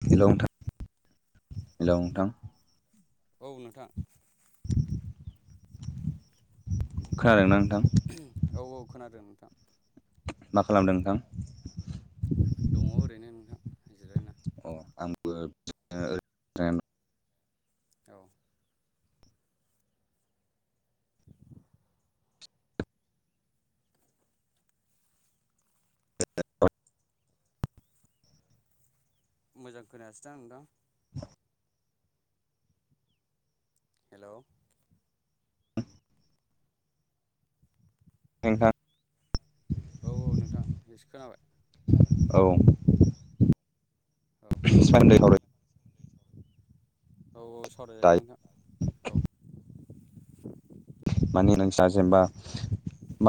[unintelligible] Hello नोंथां औ नोंथां खोनादों ना? औ औ खोनादों नोंथां मा खालामदों नोंथां दङ ओरैनो नोंथां जिरायना अ आंबो बिदिनो [unintelligible] औ [inaudible] [unintelligible] मोजां खोनायासै दां नोंथां हेल' नोंथां औ औ नोंथां एसे खोनाबाय औ औ सान्दै हर औ औ सावरायजायो दायो नोंथां औ माने नोंस्रा जेनेबा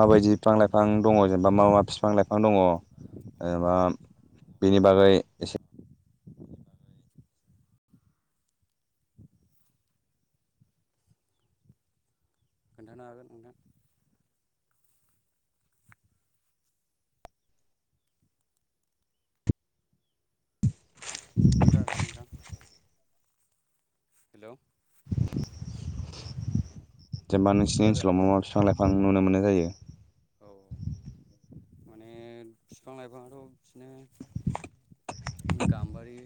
माबायदि बिफां लाइफां दङ मा मा बिफां लाइफां दङ जेनेबा बेनि बागै औ एसे [inaudible] खोनथानो हागोन नोंथां [unintelligible] हेल' जेनेबा नोंसिनि खोनादों ओनसोलाव मा मा बिफां लाइफां नुनो मोननाय जायो औ माने बिफां लाइफां आथ' बिदिनो गाम्बारि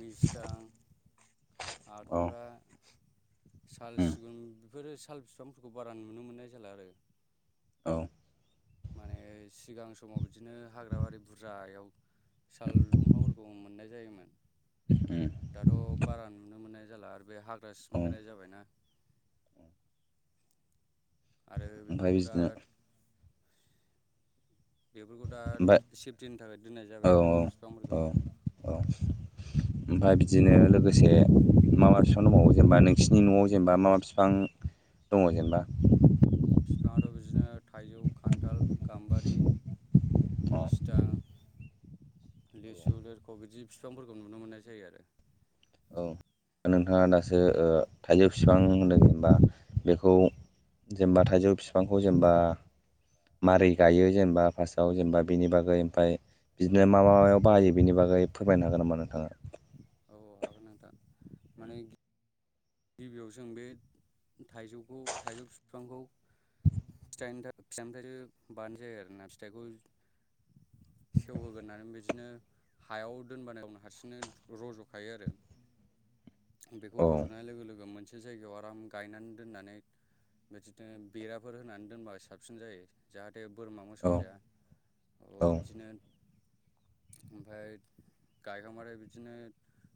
मिजटां औ आदुंग्रा साल उम सिगुन बेफोरो साल बिफांफोरखौ बारा नुनो मोननाय जाला आरो औ माने सिगां समाव बिदिनो हाग्राबारि बुरजायाव साल दंफांफोरखौ मोननाय जायोमोन उम दाथ' बारा नुनो मोननाय जाला आरो बे हाग्रा औ सिमफैनाय जाबाय ना आरो ओमफ्राय बेफोरखौ दा बिदिनो बेफोरखौ दा ओमफ्राय सेफटिनि थाखाय दोननाय औ जाबाय आरो बे बिफांफोरखौ ओमफफ्राय बिदिनो लोगोसे माबा बिफां दंबावो जेनेबा नोंसिनि न'आव जेनेबा माबा बिफां दङ जेनेबा बिफाङाथ' बिदिनो थाइजौ खान्थाल गाम्बारि अ मिसटां औ लिसु लोरख बिदि फिफांफोरखौ नुनो मोननाय जायो आरो नोंहा दासो थाइजौ बिफां होनदों जबा बेखौ जेनेबा थाइजौ बिफांखौ जेनबा मारै गायो जेनेबा फार्स्टआव जेनेबा बेनि बागै ओमफ्राय बिदिनो मा म मायाव बाहायो बेनि बागै फोरमायनो हागोन नामा नोंथाङा औ हागोन नोंथां दा माने गिबियाव जों बे थाइजौखौ थाइजौ बिफांखौ फिथाइनिफ्राय बानाय जायो आरोना फिथाइखौ सेवहोग्रोनानै बिदिनो हायाव दोनबानायनो हारसिंनो रज'खायो आरो [unintelligible] बेखौ औ रज'नाय लोगो लोगो मोनसे जायगायाव आराम गायनानै दोननानै बिदिनो बेराफोर होनानै दोनब साबसिन जायो जाहाथे दैे बोरमा मोसौ औ जाया अ औ बिदिनो ओमफफ्राय गायखांबथाय बिदिनो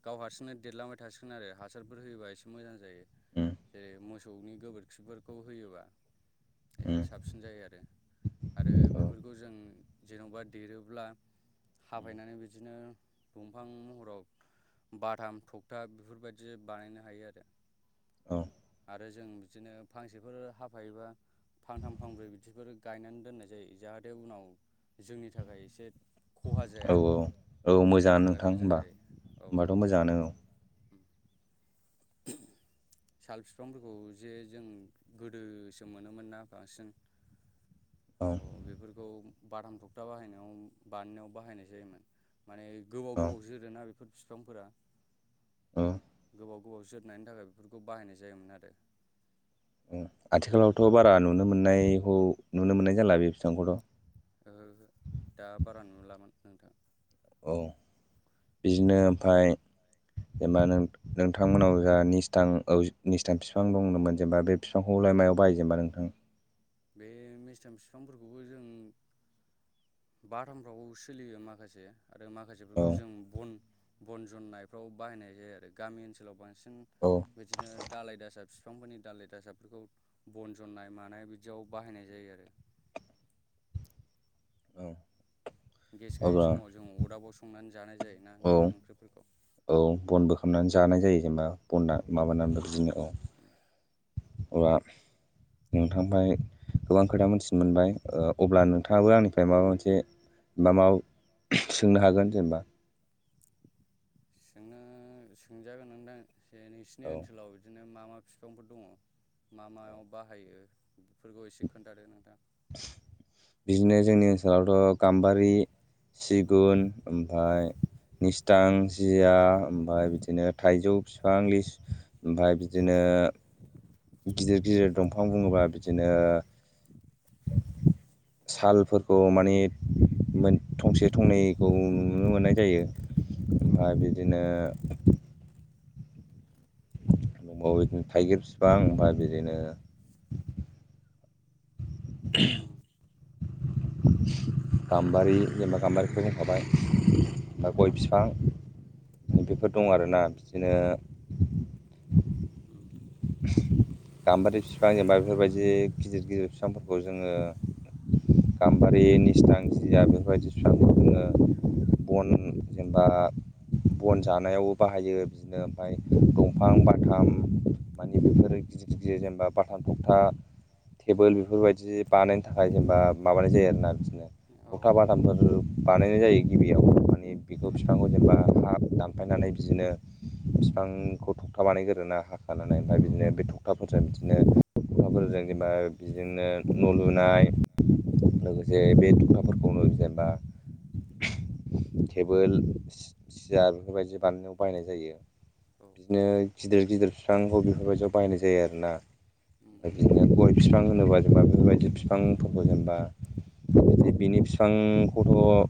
गाव हारसिंनो देरलांबाय थासिगोन आरो हासार फोर होयोबा एसे मोजां जायो उम जेरै मोसौनि गोबोरखिफोरखौ होयोबा एसे उम साबसिन जायो आरो आरो औ बेफोरखौ जों जेन'बा देरोब्ला हाफायनानै बिदिनो दंफां महराव बाथाम थखथा बेफोरबायदि बानायनो हायो आरो औ आरोम जों बिदिनो फांसेफोर हाफायोबा फानथाम फांब्रै बिदिफोर गायनानै दोननाय जायो जाहाथे उनाव जोंनि थाखाय एसे खहा औ जाया औ औ मोजाङ जोंनि थाखाय नोंथां मोजां होनोमबा जायो औ होमबाथ' मोजाङानो औ साल बिफांफोरखौ जे जों गोदोसो मोनोमोन ना बांसिन औ बेफोरखौ बादाम थखथा बाहायनायाव बानायनायाव बाहायनाय जायोमोन माने गोबाव औ गोबावसोरो ना बेफोर बिफांफोरा औ गोबाव गोबाव जोबनायनि थाखाय बेफोरखौ बाहायनाय जायोमोन आरो आथिखालावथ' बारा नुनो मोननायखौ नुनो मोननाय जाला बे फिफांखौथ' ओहो ओहो दा बारा नुलामोन नोंथां औ बिदिनो ओमफ्राय जेनेबा नों नोंथांमोनाव जाहा निस्थां निसथां बिफां दंमोन जेनेबा बे बिफांखौ मा मायाव बाहायो जेनेबा नोंथां? बे मेस्थाम बिफांफोरखौबो जों बाथामफ्रावबो सोलियो माखासे आरो औ माखासेफोरखौ जों बन बन जन्नायफ्राव बाहायनाय जायो आरो गामि ओनसोलाव बांसिन औ बिदिनो दाालाय दासा बिफांफोरनि दाालाय दासाफोरखौ बन जन्नाय मानाय बिदि बाहायनाय जायो आरो औ गेस गैयि अब्ला समाव जों अरदाबाव संनानै जानाय जाय ना औ ओंखाम ओंख्रिफोरखौ औ बनबो खालामनानै जानाय जायो जेनेबा औ ब माबानानै बिदिनो अबा नोंथांफ्राय गोबां खोथा मोनथिनो मोनबाय अब्ला औ नोंथाङाबो आंनिफ्राय माबा मोनसे म मा सोंनो हागोन जेनेबा सोंनो सोंजागोन नोंथां जे नोंसिनि औ ओनसोलाव बिदिनो नो मा मा बिफांफोर दङ मा औ मायाव बाहायो बेफोरखौ एसे खोन्थादो नोंथां बिदिनो जोंनि ओनसोलावथ' गाम्बारि सिगुन ओमफ्राय निस्थां जिया ओमफ्राय बिदिनो थाइजौ बिफां लिसि ओमफ्राय बिदिनो गिदिर गिदिर दंफां बुङोबा बिदिनो सालफोरखौ माने थंसे थंनैखौ नुनो मोननाय जायो। औ ओमफ्राय बिदिनो औ बिदिनो थाइगिर बिफां बा बिदिनो [unintelligible] औ गाम्बारि जेनेबा गाम्बारिखौ बुंखाबाय बा गय बिफां बेफोर दं आरोना बिदिनो औ गाम्बारि बिफां जेनेबा बेफोरबायदि गिदिर गिदिर बिफांफोरखौ जोङो गाम्बारि निसथां जिया बेफोरबायदि बिफांखौ जोङो बन जेनेबा बन जानायावबो बाहायो बिदिनो ओमफ्राय दंफां बाथाम मानि बेफोरो गिदिर गिदिर जेनेबा बाथान थगथा टेबोल बेफोरबायदि बानायनो थाखाय औ जेनेबा माबानाय जायो आरोना बिदिनो औ थथा बादामफोर बानायनाय जायो गिबियाव माने बेखौ उम फिफांगौ जेनेबा दानफायनानै बिदिनो बिफांखौ थगथाबानाय गोरोना हाखान ओमफ्राय औ बिदिनो बे थखााफोरजों बिदिनो फोरजों जेनेबा बिदिनो न' लुनाय लोगोसे बे थुफाफोरखौनो जेनेबा टेबोल सियार बेफोरबायदि बानायनायाव बायनाय जायो। औ बिदिनो गिदिर गिदिर बिफांखौ बेफोरबायदियाव बायनाय जायो आरोना उम उम ओमफ्राय बिदिनो गय बिफां होनोबा जेनेबा बेफोरबायदि बिफांफोरखौ जेनेबा बिनि बिफांखौथ'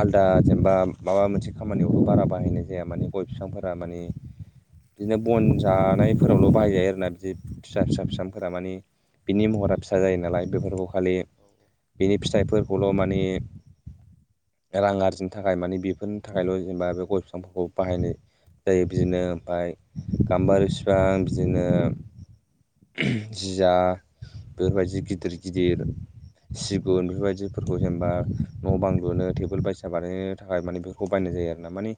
आलदा जेनेबा माबा मोनसे खामानियावथ' बारा बाहायनाय जाया माने गय बिफांफोरा माने बिदिनो बन जानायफोरावल' बाहाय जायो आरोना बिदि फिसा फिसा फिसाफोरा माने बिनि महरा फिसा जायो नालाय बेफोरखौ खालि औ बिनि फिथाइफोरखौल' माने रां आरजिनो थाखाय माने बेफोरनि थाखायल' जेनेबा बे गय बिफांफोरखौ बाहायनाय जायो बिदिनो ओमफ्राय गाम्बारि बिफां बिदिनो उम उम जिया बेबायदि गिदिर गिदिर सिगुन बेफोरबायदिफोरखौ जेनेबा न' बां लुनो टेबोल बायसा बानायनो थाखाय माने बेखौ बायनाय जायो आरो ना माने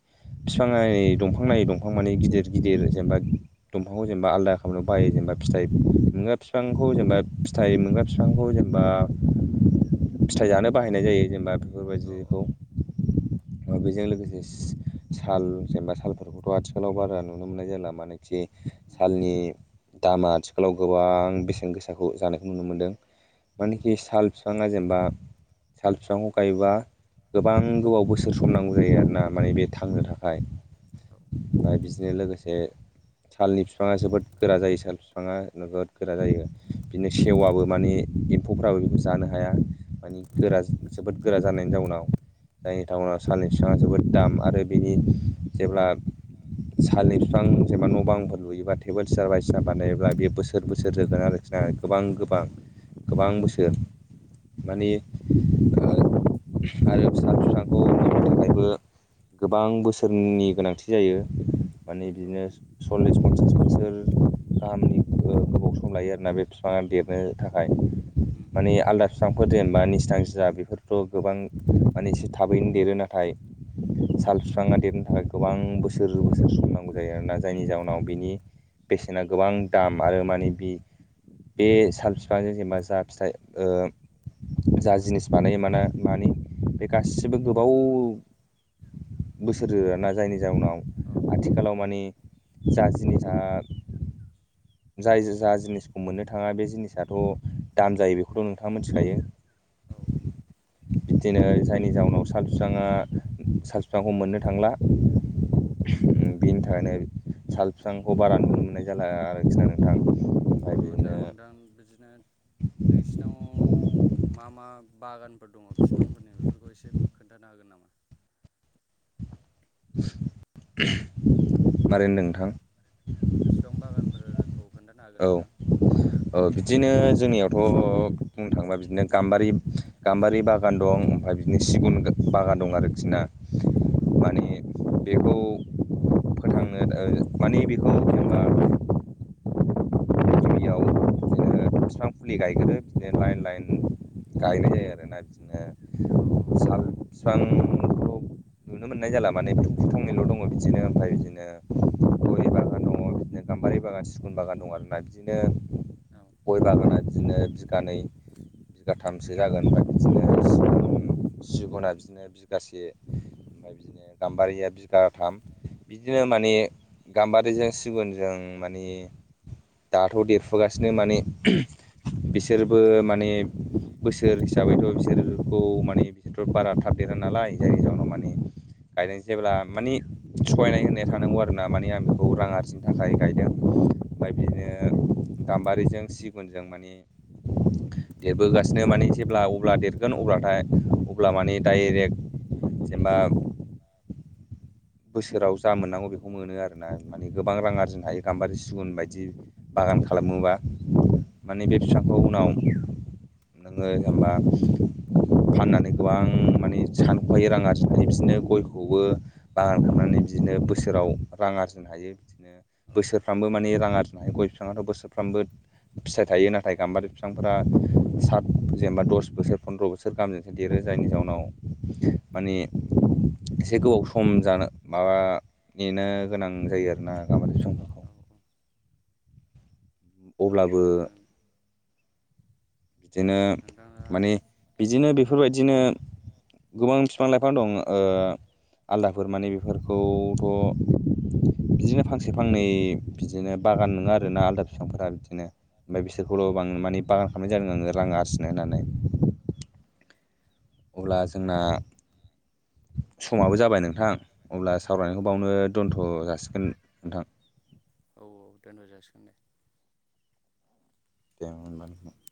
बिफां नायै दंफां नायै दंफां माने गिदिर गिदिर जेनेबा दंफांखौ जेनेबा आलदा खालामनो बाहायो जेनेबा फिथाइ मोना बिफांखौ जेनेबा फिथाइ मोनग्रा बिफांखौ जेनबा फिथाइ जानो बाहायनाय जायो जेनेबा औ औ बेफोरबायदिखौ बेजों लोगोसे साल जेनबा सालफोरखौथ' आथिखालाव बारा नु नुनो मोननाय जानला मानोखि उम सालनि दामा आथिखालाव गोबां बेसेन गोसाखौ जानायखौ नुनो मोनदों उम औ उम औ उम मानखि साल फिफाङा जेनेबा साल फिफांखौ गायोबा गोबां गोबाव बोसोर सम नांगौ जायो आरो ना माने बे थांनो थाखाय औ ओमफ्राय बि बिदिनो लोगोसे सालनि बिफाङा जोबोद गोरा जायो साल बिफाङा नोबोद गोरा जायो बिदिनो सेवाबो माने एम्फौफ्राबो बेखौ जानो हाया मानिे गोरा जोबोद गोरा जानायनि जाउनाव जायनि जाउनाव सालनि बिफाङा जोबोद दाम आरो बिनि जेब्ला सालनि बिफां जेनबा न' बांफोर लुयोबा टेबोल चियार बायसिना बानायोब्ला बेयो बोसोर बोसोर जोरगोन आरोखिना गोबां गोबां गोबां बोसोर माने आरो फिसा फिसाखौ बेनिबो गोबां बोसोरनि गोनांथि जायो माने बिदिनो सल्लिस पनसास बोसोर गाहामनि गोबाव सम लायो आरोना बे बिफाङा देरनो थाखाय माने आलदा बिफांफोर जेनेबा निसथां जिया बेफोरथ' गोबां माने एसे थाबैनो देरो नाथाय साल बिफाङा देरनो थाखाय गोबां बोसो सोर बोसोर नांगौ जायो आरोना जायनि जाहोनाव बिनि बेसेना गोबां दाम आरो माने बि बे साल बिफाजों जेनेबा जा फिथाइ ओ जा जिनिस बानायो माना मानि बे गासिबो गोबाव बोसोर जोरो आरोना जायनि औ औ जाउनाव औ आथिखालाव मानि जा जिनिसा जाय जा जिनिसखौ मोननो थाङा बे जिनिसाथ' दाम जायो बेखौथ' नोंथाङा मिथिखायो औ औ बिदिनो जायनि जाउनाव साल बिफाङा साल बिफांखौ मोननो थांला बेनि थाखायनो साल बिफांखौ बारा नुनो मोननाय जाला आरोखि ना नोंथां ओमफ्राय अ दा बिदिनो नोंथां बिदिनो नोंसिनाव मा मा बागान फोर दङ फिफांफोरनि बेफोरखौ एसे खोन्थानो हागोन नामा मारै होनदों नोंथां बिफां बागानफोरखौ खोन्थानो हागोन औ नोंथां औ बिदिनो जोंनियावथ' बुंनो थाङोबा बिदिनो गाम्बारि गाम्बारि बागान दं ओमफ्राय बिदिनो सिगुन बागान दं आरोखि ना माने बेखौ फोथांनो माने बेखौ जेनेबा फिफां फुलि गायगोरो बिदिनो लाइन लाइन गायनाय जायो आरोना औ बिदिनो साल बिफांथ' नुनो मोननाय जाला माने फख्रि थंनैल' दङ बिदिनो ओमफ्राय बिदिनो गय बागान दङ बिदिनो गाम्बारि बागान सिगुन बागान दं आरोना बिदिनो औ गय बागाना बिदिनो बिगानै बिगाथामसो जागोना बिदिनो सिगुन सिगुना बिदिनो बिगासे ओमफ्राय बिदिनो गाम्बारिया बिगाथाम बिदिनो माने गाम्बारिजों सिगुनजों माने दाथ' देरफुगासिनो माने [inaudible] बिसोरबो माने बोसोर हिसाबैथ' बिसोरखौ माने बिसोरथ' बारा थाबदेर नालाय जायनि जाहोनाव माने गायनाय जेब्ला मानि। सहायनाय होननाय थानांगौ आरो ना माने आं बेखौ रां आरजिनो थाखाय गायदों ओमफ्राय बिदिनो उम गाम्बारिजों सिगुनजों माने देरबोगासिनो माने जेब्ला अब्ला देरगोन अब्लाथाय अब्ला माने डाइरेक्ट जेनबा बोसोराव जा मोननांगौ बेखौ मोनो आरोना माने गोबां रां आरजिनो हायो गाम्बारि सिगुन बायदि बा। गाम खालामोबा माने बे फिफांखौ उनाव नोङो हेमबा फाननानै गोबां माने सानखहायि रां आरजिनो हायो बिसनो गयखौबो बागान खालामनानै बिदिनो बोसोराव रां आरजिनो हायो बिदिनो औ बोसोरफ्रामबो माने रां आरजिनो हायो गय। बिफाङाथ' बोसोरफ्रामबो। फिथाइ थायो नाथाय गाम्बारि बिफांफोरा उम सात जेनेबा दस बोसोर फन्द्र' बोसोर गाहामजोंसो देरो। जायनि जाउनाव माने से गोबाव स सम जानो माबा नेनो गोनां जायो आरोना गामबारि बिफां [inaudible] अब्लाबो नों बिदिनो नोंथाङा औ माने बिदिनो बेफोरबायदिनो गोबां फिफां लाइफां दं ओ‌ आलदाफोर माने बेफोरखौ थ' बिदिनो फांसे फांनै बिदिनो बागान नोङा आरोना आलदा बिफांफोरा बिदिनो मफ्राय बिसोरखौल' बां माने बागान खालामनाय जा रां आरसिनो होननानै। अब्ला जोंना समाबो जाबाय नोंथां। अब्ला औ सावरायनायखौ औ बावनो दोनथ' जासिगोन नोंथां? औ औ दोन' जासिगोन दे। दोंमोन माने हे